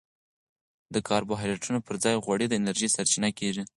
د کاربوهایډریټونو پر ځای غوړي د انرژي سرچینه کېږي.